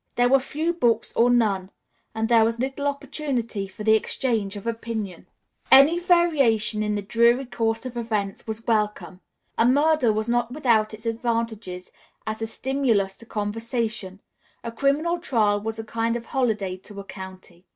There were few books or none, and there was little opportunity for the exchange of opinion. Any variation in the dreary course of events was welcome. A murder was not without its advantages as a stimulus to conversation; a criminal trial was a kind of holiday to a county.